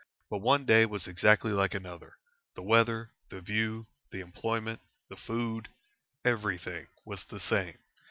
But one day was exactly like another. The weather, the view, the employment, the food everything was the same.